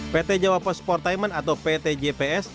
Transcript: pt jawa post sport timen atau pt jps